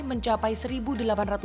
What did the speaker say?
mencapai satu orang